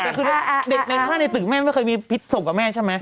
แต่คือเด็กในท่าในตึกแม่ไม่เคยมีพิษส่งกับแม่ใช่ไหม